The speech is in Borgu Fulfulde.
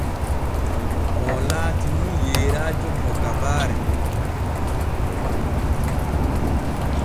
Oo laati nun yeyrajo mo gabaare.